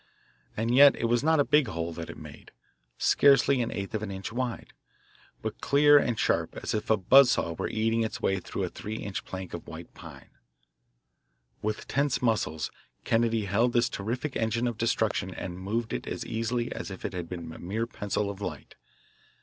And yet it was not a big hole that it made scarcely an eighth of an inch wide, but clear and sharp as if a buzz saw were eating its way through a three inch plank of white pine. With tense muscles Kennedy held this terrific engine of destruction and moved it as easily as if it had been a mere pencil of light.